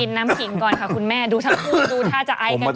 น้ำขิงก่อนค่ะคุณแม่ดูทั้งคู่ดูท่าจะไอกันก่อน